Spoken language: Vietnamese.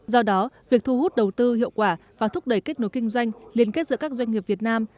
do đó việc thu hút đầu tư hiệu quả và thúc đẩy kết nối kinh doanh liên kết giữa các doanh nghiệp việt nam